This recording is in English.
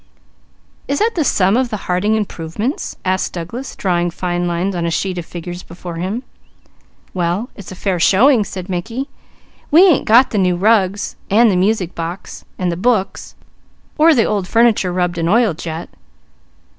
"Is that the sum of the Harding improvements?" asked Douglas, drawing fine lines on a sheet of figures before him. "Well it's a fair showing," said Mickey. "We ain't got the new rugs, and the music box, and the books; or the old furniture rubbed and oiled yet.